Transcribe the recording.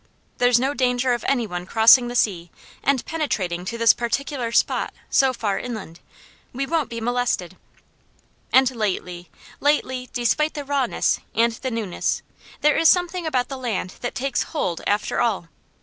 There's no danger of any one crossing the sea, and penetrating to this particular spot so far inland; we won't be molested! And lately lately, despite the rawness, and the newness, there is something about the land that takes hold, after all.